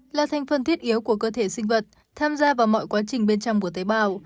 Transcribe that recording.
là thành phần thiết yếu của cơ thể sinh vật tham gia vào mọi quá trình bên trong của tế bào